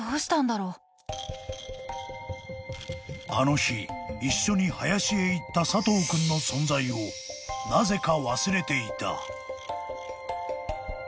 ［あの日一緒に林へ行った佐藤君の存在をなぜか忘れていた］